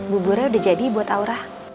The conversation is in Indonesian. buburnya udah jadi buat aura